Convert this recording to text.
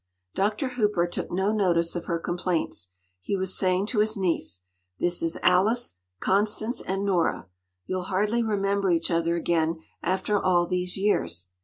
Dr. Hooper took no notice of her complaints. He was saying to his niece—“This is Alice, Constance—and Nora! You’ll hardly remember each other again, after all these years.